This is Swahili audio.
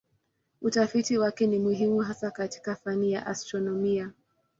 Utafiti wake ni muhimu hasa katika fani ya astronomia.